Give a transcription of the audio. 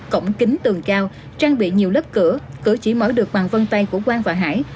cổng kính tường cao trang bị nhiều lớp cửa cửa cửa chỉ mở được bằng vân tay của quang và hải